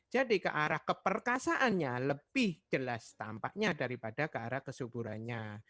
jadi kearah keperkasaannya lebih jelas tampaknya daripada kearah kesuburannya